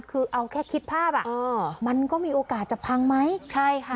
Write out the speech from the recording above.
คือเอาแค่คิดภาพอ่ะเออมันก็มีโอกาสจะพังไหมใช่ค่ะ